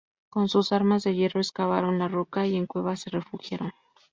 Con sus armas de hierro excavaron la roca y en cuevas se refugiaron.